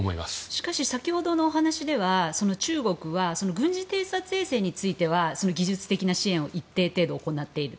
しかし先ほどのお話では中国は軍事偵察衛星については技術的な支援を一定程度、行っている。